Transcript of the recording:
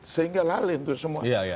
sehingga lalin tuh semua